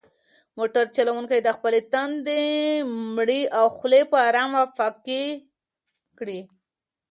موټر چلونکي د خپل تندي مړې خولې په ارامه پاکې کړې.